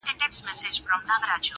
یوه ورخ پاچا وزیر ته ویل خره!!